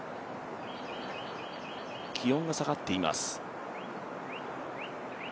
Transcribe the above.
気温が下がっています。